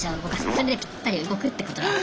それでぴったり動くってことが。